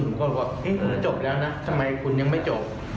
ผมก็บอกเอ๊ะจบแล้วนะทำไมคุณยังไม่จบ